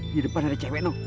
di depan ada cewek